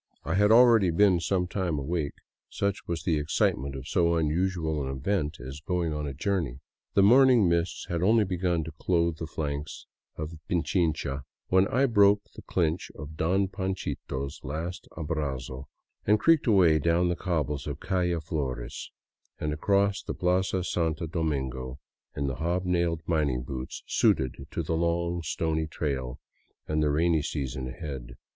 I had already been some time awake, such was the excitement of so unusual an event as going a journey. The morning mists had only begun to clothe the flanks of Pichincha when I broke the clinch of " Don Panchito's '* last abrazo and creaked away down the cobbles of Calle Flores and across the Plaza Santo Domingo in the hob nailed mining boots suited to the long, stony trail and the rainy season ahead.